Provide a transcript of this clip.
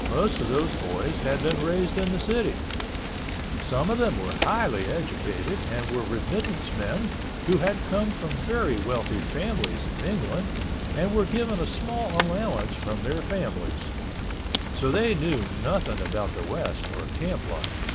Most of those boys had been raised in the city. Some of them were highly educated and were remittance men who had come from very wealthy families in England and were given a small allowance from their families. So they knew nothing about the West or camp life.